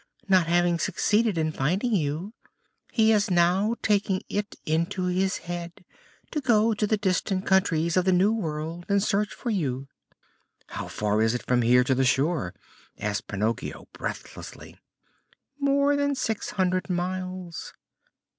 Not having succeeded in finding you, he has now taken it into his head to go to the distant countries of the New World in search of you." "How far is it from here to the shore?" asked Pinocchio breathlessly. "More than six hundred miles."